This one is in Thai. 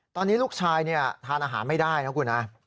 ตอนนี้ลูกชายทานอาหารไม่ได้นะคุณนะ